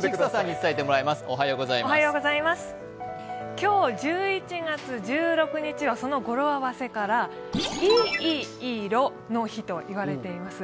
今日１１月１６日は、その語呂合わせからいい色の日と言われています。